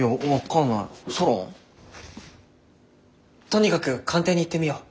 とにかく官邸に行ってみよう。